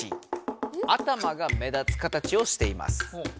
頭が目立つ形をしています。